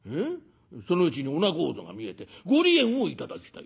そのうちにお仲人が見えて『ご離縁を頂きたい』